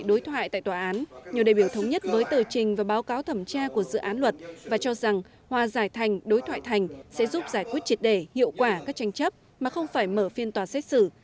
nhiều đại biểu thống nhất với tờ trình và báo cáo thẩm tra của dự án luật và cho rằng hòa giải thành đối thoại thành sẽ giúp giải quyết triệt đề hiệu quả các tranh chấp mà không phải mở phiên tòa xét xử